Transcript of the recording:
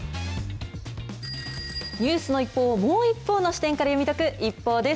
ニュースの一報をもう一方の視点から読み解くＩＰＰＯＵです。